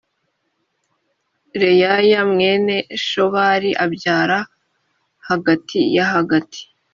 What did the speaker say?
reyaya mwene shobali abyara yahati yahati